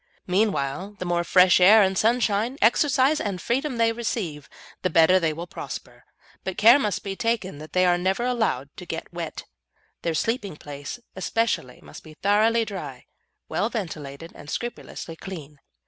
Meanwhile, the more fresh air and sunshine, exercise, and freedom they receive, the better will they prosper, but care must be taken that they are never allowed to get wet. Their sleeping place especially must be thoroughly dry, well ventilated, and scrupulously clean.